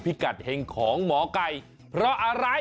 พิกัดเฮงของหมอไก่เพราะอะไร